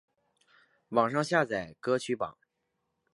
网上下载歌曲榜